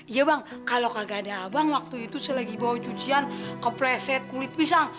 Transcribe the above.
iya bang kalau kagak ada abang waktu itu saya lagi bawa jujian ke pleset kulit pisang